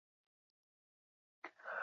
Zer da gure memoria?